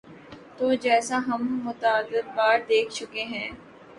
تو جیسا ہم متعدد بار دیکھ چکے ہیں۔